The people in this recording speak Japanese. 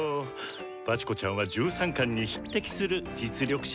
バチコちゃんは１３冠に匹敵する実力者だしね！